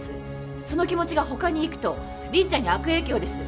その気持ちが他にいくと凛ちゃんに悪影響です。